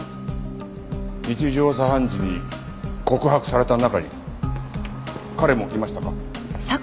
日常茶飯事に告白された中に彼もいましたか？